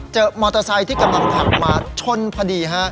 มอเตอร์ไซค์ที่กำลังขับมาชนพอดีฮะ